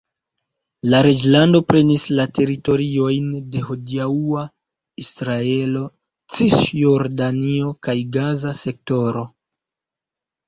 La reĝlando prenis la teritoriojn de hodiaŭa Israelo, Cisjordanio kaj Gaza Sektoro.